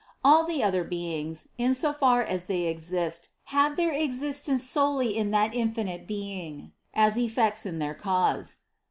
All the other beings, in so far as they exist, have their ex istence solely in that infinite Being, as effects in their cause.